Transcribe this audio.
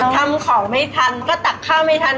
ทำของไม่ทันก็ตักข้าวไม่ทัน